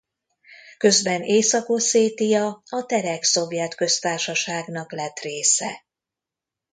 Közben Észak-Oszétia a Terek Szovjet Köztársaságnak lett része.